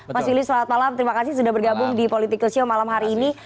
mas yulis selamat malam terima kasih sudah bergabung di political show malam hari ini